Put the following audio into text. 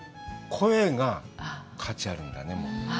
声が価値あるんだね。